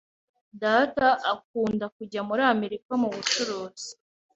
Data akunda kujya muri Amerika mubucuruzi.